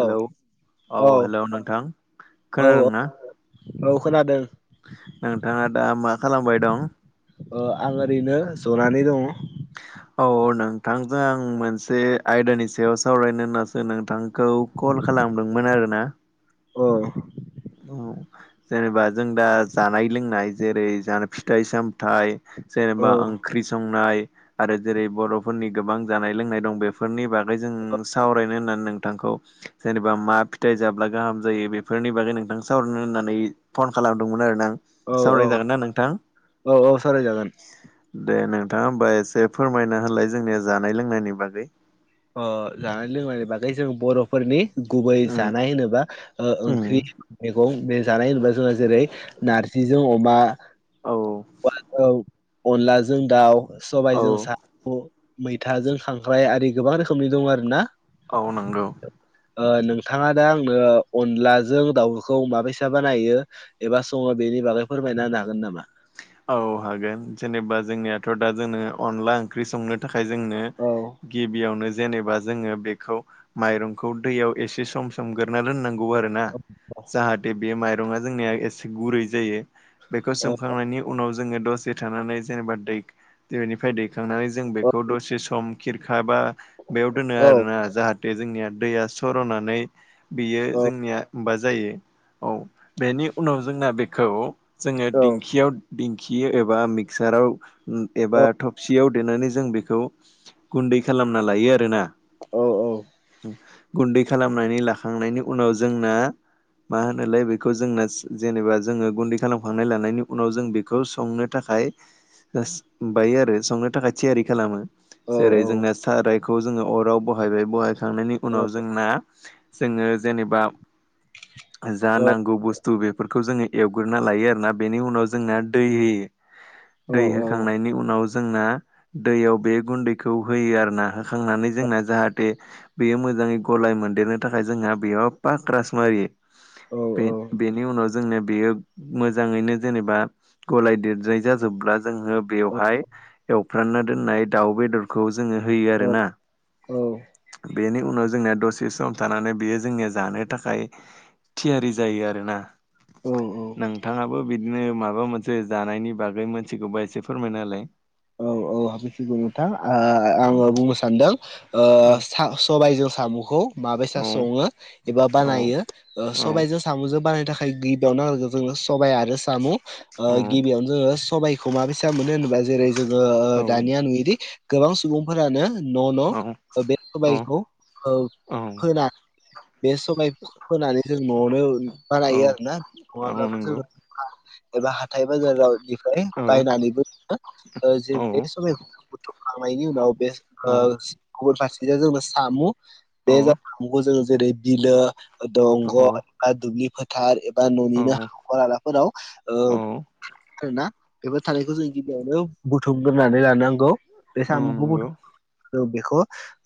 Hello औ hello नोंथां औ खोनादों ना? औ खोनादों नोंथाङा दा मा खालामबाय दं? आं ओरैनो जनानै दङ। औ नोंथांजों आं मोनसे आयदानि सायाव सावरायनो होननासो नोंथांखौ कल खालाम लामदोंमोन आरोना। औ औ जेनेबा जों दा जानाय लोंनाय जेरै जा फिथाइ सामथाइ जेनेबा ओंख्रि संनाय आरो जेरै बर'फोरनि गोबां जानाय लोंनाय दं बेफोरनि बागै जों सावरायनो होननानै नोंथांखौ जेनेबा मा फिथाइ जाब्ला गाहाम जायो बेफोरनि बागै नोंथांजो सावरायनो होननानै फन खालामदोंमोन आरोना आं औ औ सावराय जागोन ना नोंथां। औ औ सावरायजागोन दे नोंथाङा होमबा एसे फोरमायना होलाय जोंनिया जानाय लोंनायनि बागै अ जानाय लोंनायनि बागै जों बर'फोरनि गुबै उम जानाय होनोबा उम ओंख्रि मैगं बे जानाय होनोबा जोंहा जेरै नारजिजों अमा औ औ अनलाजों दाउ औ सबायाइजों सामु' मैथाजों खांख्राय आरि गोबां रोखोमनि दं आरो ना औ नंगौ नोंथाङा दा आंनो अनलाजों दाउखौ माबैसा बानायो एबा सङो बेनि नि बागै फोरमायना होनो हागोन नामा? औ हागोन जेनेबा जोंनियाथ' दा जोंङो अनला ओंख्रि संनो थाखाय जोंनो औ गिबियावनो जेनेबा जोङो बेखौ माइरंखौ दैयाव एसे सम सोमगोरना दोननांगौ आरोना जाहाथे बे माइरंया जोंनिया एसे गुरै जायो। बेखौ औ सोमखांनायनि जोंनि दसे थानानै जेनेबा बेनिफ्राय दैखांनानै जों औ बेखौ दसे सम खिरखा बा बेयाव दोनो औ आरोना जाहाथे जोंनिया दैया सर'नानै बियो औ जोंनिया माबा जायो औ बेनि उनाव जोंना बेखौ जोङो औ दिंखियाव दिंखि एबा मिक्साराव एबा थबसियाव देनानै जों बेखौ गुन्दै खालामना लायो आरोना औ गुन्दै खालामनानै लाखांनायनि उनाव जोंना मा होनोलाय बेखौ जोंना जेनेबा जोङो गुन्दै खालामखांनाय लानायनि उनाव जों बेखौ खौ संनो थाखाय बायो आरो संनो थाखाय थियारि खालामो। जेरै जोंना सारायखौ जोङो अराव बहायबाय बहायबाय। थांनायनि उनाव जोंना जोङो जेनेबा जा नांगौ बुस्थु बेफोरखौ जोङो एवग्रोना लायो आरोना बेनि उनाव जोंना दै होयो। दै होखांनायनि उ जोंना दैयाव बे गुन्दैखौ होयो आरोना होखांनानै जोंना जाहाथे बेयो मोजाङै गलाय मोनदेरनो थाखाय जोंहा बेयाव पाक्रास मारियो। बे बेनि उनाव जोंनिया बेयो मोजाङैनो जेनेबा गलाय देरनाय जाजोबब्ला जोङो बेवहाय एवफ्रानना दोननाय दाउ बेदरखौ जोङो होयो आरोना औ बेनि उनाव जोंनिया दसे सम थानानै बेयो जोंनिया जानो थाखाय थियारि जायो आरोना औ औ नोंथाङाबो बिदिनो माबा मोनसे जानायनि बागै मोनथिगौबा एसे फोरमायना होलाय औ औ मिथिगौ नोंथां आङो उम बुंनो सानदों औ सबायजों साम'खौ मा बायसा औ सङो एबा औ बानायो सबायजों साम'जों बानायनो थाखा खाय गिबियावनो जोङो सबाय आरो साम' गिबियावनो जोङो सबायखौ माबेसा मोनो होनोबा जेरै जोङो औ दि गोबां सुबुंफोरानो न' औ न' बे औ सबायखौ ओ फोनानै बे सबाय फोनानै जों न'आवनो औ बानायो आरोना औ नङाब्लाबो जों नंगौ एबा हाथाय बाजारावनिफ्राय औ बायनानैबो औ जे बे सबायखौ बुथुमखांनायनि उनाव बे औ गुबुन फारसेजों जोंनो साम' औ बे [unintelligible] खौ जोङो जेरै बिलो औ दंग' एबा दुब्लि फोथार बा न'निनो हाखर हालाफोराव ओ औ [inaudible] आरोना बेफोर थानायखौ जों गिबियावनो बुथुमग्रोनानै लानांगौ। औ नंगौ। जों बेखौ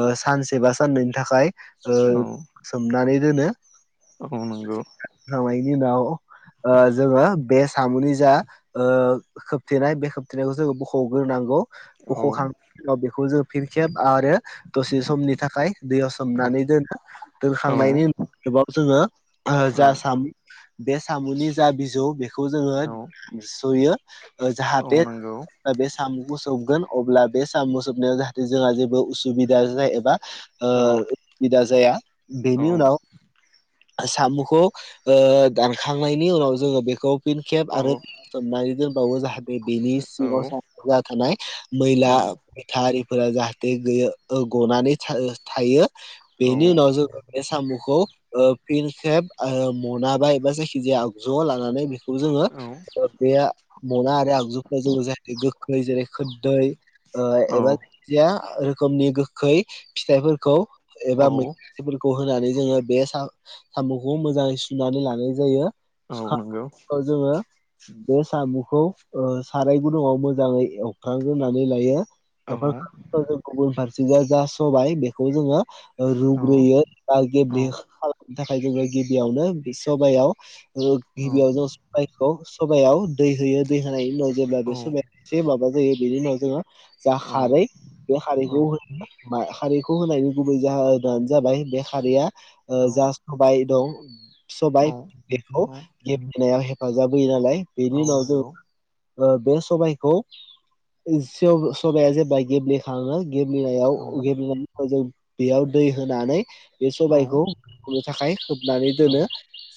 ओ सानसे बा साननैनि थाखाय ओ औ सोमनानै दोनो। औ नंगौ। बिनि उनाव ओ जोङो बे साम'नि जा ओ खोबथेनाय बे खोबथेनायखौ जोङो बख ग्रोनांगौ औ बख'खांनायनि उनाव बेखौ जों फिन खेब आरो दसे समनि थाखाय दैयाव सोमनानै दोनो औ दोनखांनायनि उन बेखौ जोङो बा औ जा साम बे साम'नि जा बिजौ बेखौ जोङो दानसयो। औ जाहाथे नंगौ बे साम'खौ सोबगोन अब्ला बे साम' सोबनायाव जाहाथे जोंहा जेबो उसुबिदा जाया एबा ओ औ बिदा जाया औ बेनि उनाव साम'खौ ओ दानखांनायनि उनाव जोङो बेखौ फिन खेब आरो सोमनानै दोनबावो जाहाथे बेनि औ सिङाव जा थानाय मैला मैथारि फोर जाहाथे गैया गनानै थांनो हायो। बेनि उनाव जों सामुखौ ओ फिन खेब मना बा जायखि जाया आगजुयाव लानानै बेखौ बेखौ जोङो मना आरो आगजु फोराव जाहाथे खै जेरै खोदै ओ एबा जायखिजाया रोखोमनि गोखै फिथाइफोरखौ एबा मैफोरखौ होनानै जोङो बे साम'खौ मोजाङै सुनानै लानाय जायो। औ नंगौ सुखांनायनि उनाव जोङो बे साम'खौ ओ साराय गुदुङाव मोजाङै एवखांग्रोनानै लायो। [unintelligible] गुबुन फारसेजाय जा सबाय बेखौ जोङो ओ रुग्रोयो आरो बे बेखौ औ खा थाखाय जोङो गिबियावनो बि सबायाव ओ गिबियाव जों सबाइखौ सबायाव दै होयो दै होनायनि उनाव जेब्ला बे सबाया एसे माबा जायो बेनि उनाव जोङो जा खारै बे खारैखौ [unintelligible] खारैखौ होनायनि गुबै जाहोनानो जाबाय बे खारैया ओ जा सबाय दं सबाय बेखौ गेबेनायाव हेफाजाब होयो नालाय औ औ बेनि उनाव जों नंगौ ओ बे सबाइखौ सबाया जेब्ला गेब्लेखाङो गेबेनायाव औ गेबेनायनि उनाव जों बेयाव दै होनानै बे औ सबाइखौ थाखाय खोबनानै औ दोनो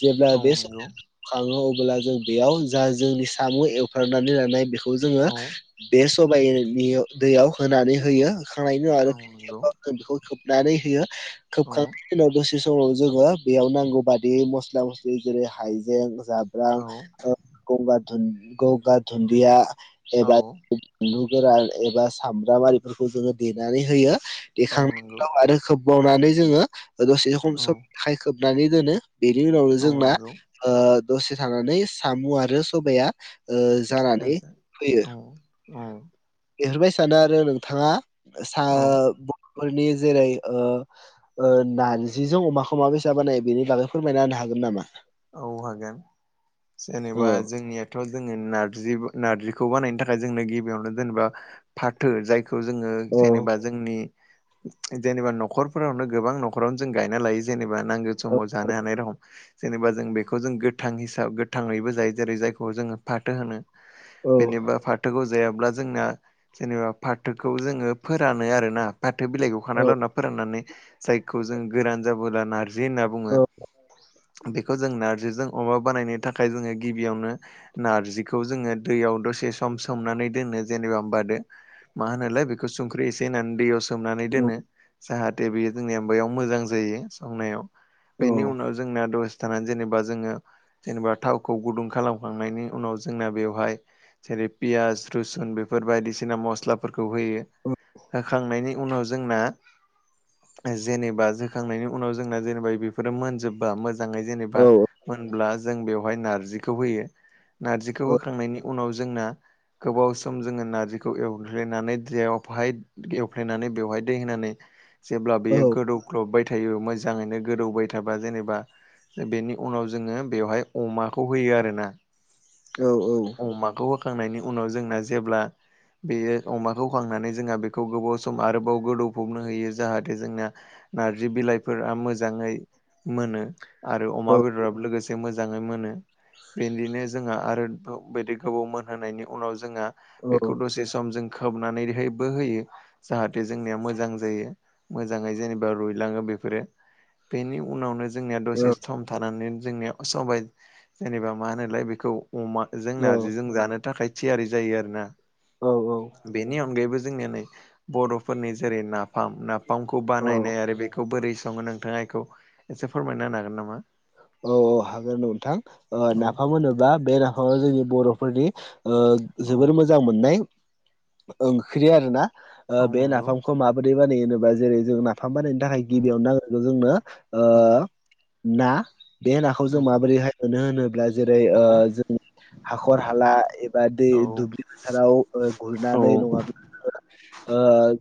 जेब्ला औ बे नंगौ सबाइखौ खाङो अ ब्ला जों बेयाव जा जोंनि साम' एवखांनानै लानाय बेखौ जोङो औ बे स सबाइनि दैयाव होनानै होयो होखांनायनि उनाव आरो औ नंगौ [inaudible] बेखौ खोबनानै होयो। औ खोबखांनायनि उनावबो थि समाव जोङो बेयाव नांगौ बादि मस्ला मस्लि जेरै हाइजें जाब्राम औ ओ गंगा दुन गंगा दुनदिया औ एबा बानलु गोरान एबा सामब्राम आरिफोरखौ जोङो देनानै होयो औ देखांनाय नंगौ उनाव आरो खोबबावनानै जोङो दसे सम औ सम थाय खोबनानै दोनो। बेनि उनावनो औ जोंना नंगौ औ ओ दसे थानानै सामु आरो सबाइया ओ जानानै फैयो। औ बेफोर बायसानो आरो नोंथाङा सा औ ओ फोरनि जेरै ओ ओ नारजिजों अमाखौ माबायसा बानायो बेनि बागै फोरमायना होनो हागोन नामा? औ हागोन औ जेनेबा जोंनियाथ' जोङो नारजि बो नारजिखौ खौ बानायनो थाखाय जोंनो गिबियावनो जेनेबा फाथो जायखौ जोङो औ जेनेबा जोंनि जेनेबा न'खरफोरावनो गोबां न'खरावनो जों गायना लायो जेने बा नांगौ औ समाव जानो हानाय रखम जेनेबा जों बेखौ जों गोथां हिसाब गोथाङैबो जायो जेरै जायखौ जोङो फाथो होनो औ बेनिबा फाथोखौ जायाब्ला जोंना जेनेबा फाथोखौ जोङो फोरानो आरोना फाथो बिलाइखौ खाना लाबोना फोराननानै जायखौ जों गोरान जाबोला नार जि होनना औ बुङो बेखौ जों नारजिजों अमा बानायनो थाखाय जोङो गिबियावनो नारजिखौ जोङो दैयाव दसे सम सोमनानै दोनो जेनेबा होनबा दो मा होनोलाय संख्रि एसे होनानै दैयाव सो सोमनानै औ दोनो जाहाथे बेयो जोंनि बेयाव मोजां जायो संनायाव औ बेनि उनाव दस थानानै जेनेबा जोङो जेनेबा थाव खौ गुदुं खालामखांनायनि उनाव जोंना बेवहाय जेरै पियास रुसुन बेफोर बायदिसिना मस्लाफोर खौ होयो होखांनायनि उनाव जोंना जेनेबा जोखांनायनि उनाव जोंना जेनेबा बेफोरो मोनजोबबा मोजाङै औ जेनेबा मोनब्ला जों बेवहाय नारजिखौ होयो नारजिखौ होखांनायनि उनाव जोंना गोबाव सम जोङो नारजिखौ एवग्लेनानै [unintelligible] एवफ्लेनानै बेवहाय दै होनानै जेब्ला बेयो गोदौग्लबबाय थायो मोजाङैनो गोदौबाय थाबा जेने बा बेनि उनाव जोङो बेवहाय अमाखौ होयो आरोना अमाखौ होखांनायनि उनाव जोंना जेब्ला बेयो अमाखौ होखांनानै जोंहा बेखौ गोबाव सम आरोबाव गोदौफबनो होयो जाहाथे जोंना नारजि बिलाइफोरा मोजाङै मोनो आरो औ अमा बेदराबो लोगोसे मोजाङै मोनो बेदिनो जोंहा आरो बिदि गोबाव मोनहोनायनि उनाव जोङा औ औ बेखौ दसे सम जों खोबनानैबो होयो जाहाथे जोंनिया मोजां जायो मोजाङै जेनेबा रुयलाङो बेफोरो बेनि उनावनो जोंनिया दसे औ सम थानानै जोंनिया सबाय जेनेबा मा होनोलाय बेखौ अमाजों औ नारजिजों जानो थाखाय थियारि जायो आरोना औ औ बेनि अनगायैबो जोंनि नै बर'फोरनि जेरै नाफाम नाफामखौ औ बानायनाय आरो बेखौ बोरै स ङो नोंथाङा इखौ एसे फोरमायना होनो हागोन नामा? ओ हागोन नोंथां ओ औ नाफाम होनोबा बे नाफामा जोंनि बर'फोरनि ओ औ जोबोर मोजां मोननाय ओंख्रि आरोना ओ औ बे नंगौ नाफामखौ माबोरै बानायो होनोबा जेरै जों नाफाम नाफाम बानायनो थाखाय औ गिबियावनो नांग्रोगो जोंनो ओ औ ना बे नाखौ जों औ माबोरैहाय मोनो होनोब्ला जेरै औ ओ जों हाखर हाला एबा दै औ दुब्लि फोथाराव ओ औ गुरनानै नङाब्ला ओ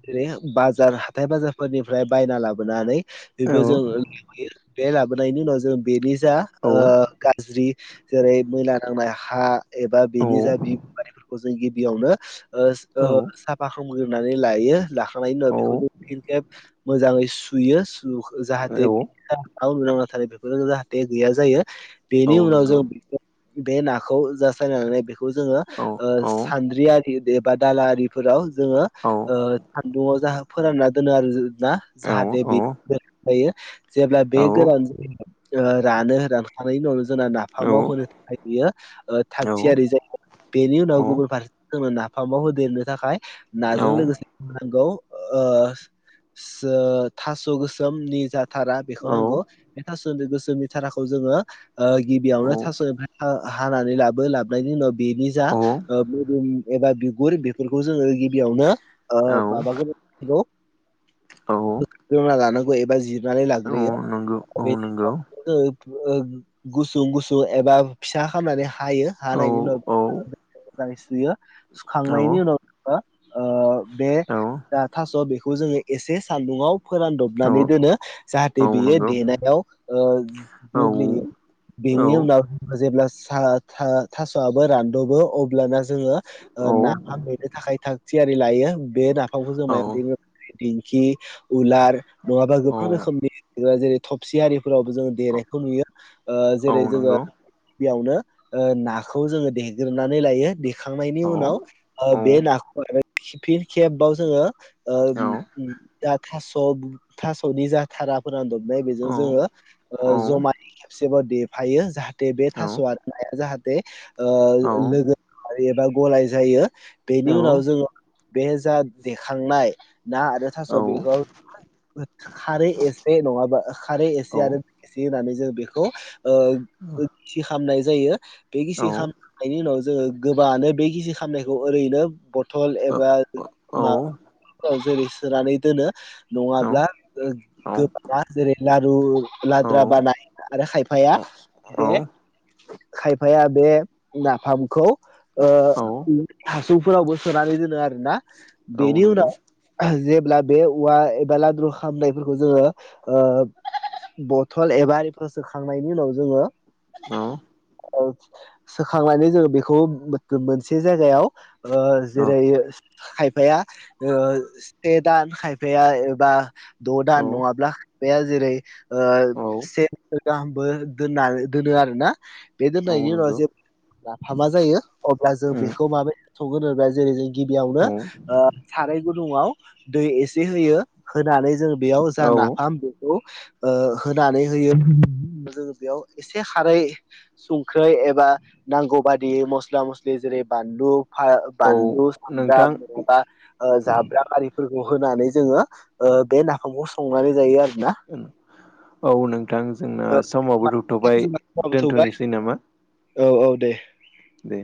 जेरै बाजार हाथाय बाजारफोरनिफ्राय बायना लाबोनानै बेबो नंगौ जों औ लाबोयो बे लाबोनायनि उनाव जों बेनि जा औ ओ गाज्रि जेरै मैला नांनाय हा एबा औ बेनि जा [unintelligible] खौ जों गिबियावनो ओ ओ औ साफा खाम होग्रोनानै लायो लाखांनायनि उनाव औ बेखौ जों फिन खेब मोजाङै सुयो औ जाहाथे [unintelligible] थानाय बेफोरो जाहाथे गैया जायो बेनि उनाव जों बे नाखौ जा सायना लानानै बेखौ बेखौ जोङो सान्द्रि आरि एबा दाला आरिफोराव जोङो ओ सान्दुङाव जाहा फोरानना दोनो आरो ना जाहाथे [unintelligible] जेब्ला बे गोरान जायो रानो रान थानाय उनावनो जोंना नाफामाव होनो थाखाय बियो ओ थाग औ थियारि जायो बेनि उनाव गुबुन फारसे जोंनो नाफामाव होदेरनो थाखाय नाजों लोगोसे जोंनो नांगौ ओ सो थास' गोसोमनि जा थारा बेखौ नांगौ बे थास' गोसोमनि थाराखौ जोङो ओ गिबियावनो थास' हानानै लाबो लाबनायनि उनाव बेनि जा औ ओ मोदोम एबा बिगुर बेफोरखौ जोङो गिबियावनो ओ माबाग्रोनांगौ लानांगौ एबा जिर नानै लाग्रोयो नंगौ औ नंगौ गुसुं गुसुं एबा फिसा खामनानै हा हायो औ हानायनि उनाव औ बेफोर मोजाङै सुयो औ सुखांनायनि उनाव बे थास' बेखौ जोङो एसे सान्दुंङाव औ फोरानदबनानै दोनो औ जाहाथे बेयो नंगौ देनायाव औ औ गेब्लेयो बेनि उनाव जेब्ला था था थास'आबो रानद'बो अब्लाना जोङो ओ नाफाम देनो थाखाय था थियारि लायो बे नाफामखौ जों मायाव देयो दिंखि उलार नङाबा औ गोबां रोखोमनि जेरै थबसि आरि फोरावबो जोङो देनायखौ नुयो ओ औ जेरै जोङो नंगौ बेयावनो नाखौ जोङो देग्रोनानै लायो। देखांनायनि उनाव बे नाखौ [unintelligible] खेबाव जोङो औ दा थास' थास'नि जा थारा फोरानदबनाय औ बेजों औ जोङो औ औ जमायै खेबसेबाव देफायो जाहाथे बे नोंथां थास'वा जाहाथे ओ लोगो एबा गलाय जायो बेनि उनाव जोङो बे जा देखांनाय ना आरो थास' बेखौ खारै एसे नङाबा खारै एसे आरो एसे होनानै जों बेखौ ओ थि खालामनाय जायो। बे गिसि खालामनायनि उनाव जोङो गोबाङानो बे गिसि खामनायखौ ओरैनो थल एबा मा बा जेरै सोनानै दोनो। नङाब्ला ओ गोबाङा जेरै लारु लाद्रा बानाय आरो खायफाया बे खायफाया बे नाफामखौ ओ फोरावबो सोनानै दोनो आरोना बेनि उनाव जेब्ला बे औवा एबा लाद्रु खामनायफोरखौ जोङो ओ बथल एबारिफोरसोखांनायनि उनाव जोङो औ। औ सोखांनानै जोङो बेखौ मोनसे जायगायाव ओ‌ जेरै खाय ओ ओ एबा खायफाया से दान खायफाया एबा द' दान नङाब्ला खायफाया जे रोय ओ से गाहामबो दोननानै दोनो आरोना बे दोननायनि उनाव जे लाफा मा जायो अब्ला जों बेखौ माबायदि थगोन आरो गिबियावनो ओ साराय गुदुंआव दै एसे होयो होनानै जों बेयाव जा औ नाफाम बेखौ ओ होनानै जायो। जों बेयाव एसे खारै संख्रै एबा नांगौ बादियै मस्ला मस्लि जेरै। बानलु फा बानलु नोंथां सामब्राम मा ओ जाब्रां आरिफोर होनानै जोङो ओ बे नाफामखौ संनानै जायो आरो। ओम। औ नोंथां जोंना ओ समावबो जोबथ'बाय समाबो थौबाय दोनथ'नोसै नामा? औ औ दे। दे।